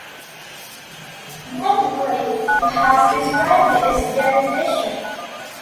Ben Woolley has described its derivation.